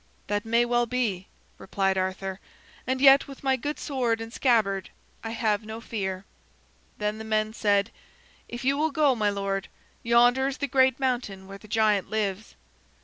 "That may well be," replied Arthur, "and yet with my good sword and scabbard, I have no fear." Then the men said: "If you will go, my lord, yonder is the great mountain where the giant lives.